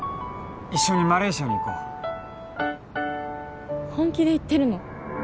一緒にマレーシアに行こう本気で言ってるの？